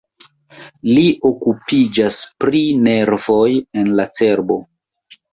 Li okupiĝas pri nervoj en la cerbo.